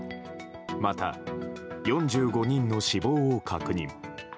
また４４人の死亡を確認。